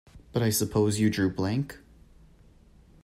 But I suppose you drew blank?